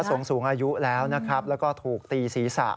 สูงสูงอายุแล้วนะครับแล้วก็ถูกตีศีรษะ